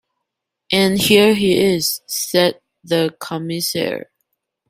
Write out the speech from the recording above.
"And here he is," said the Commissaire.